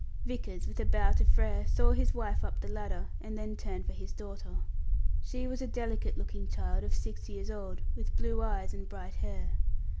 Vickers, with a bow to Frere, saw his wife up the ladder, and then turned for his daughter. She was a delicate looking child of six years old, with blue eyes and bright hair.